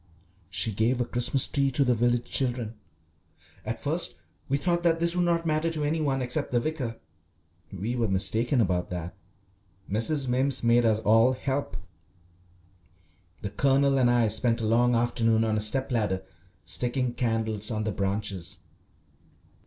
She gave a Christmas Tree to the village children. At first we thought that this would not matter to any one except the vicar. We were mistaken about that. Mrs. Mimms made us all help. The Colonel and I spent a long afternoon on a step ladder sticking candles on the branches.